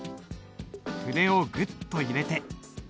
筆をグッと入れて。